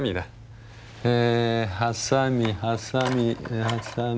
えはさみはさみはさみ。